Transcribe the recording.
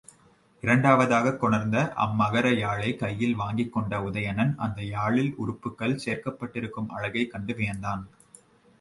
இரண்டாவதாகக் கொணர்ந்த அம்மகர யாழைக் கையில் வாங்கிக்கொண்ட உதயணன் அந்த யாழில் உறுப்புக்கள் சேர்க்கப்பட்டிருக்கும் அழகைக் கண்டு வியந்தான்.